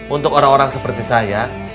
untuk orang orang seperti saya